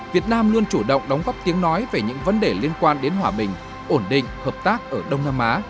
việt nam luôn chủ động đóng góp tiếng nói về những vấn đề liên quan đến hòa bình ổn định hợp tác ở đông nam á